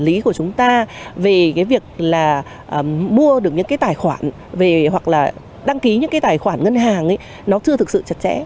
cái tình trạng của chúng ta về cái việc là mua được những cái tài khoản hoặc là đăng ký những cái tài khoản ngân hàng nó chưa thực sự chặt chẽ